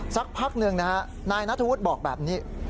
สักพักหนึ่งนายนาธวุธบอกแบบนี้